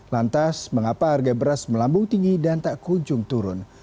lantas mengapa harga beras melambung tinggi dan tak kunjung turun